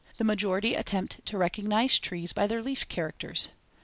The majority attempt to recognize trees by their leaf characters.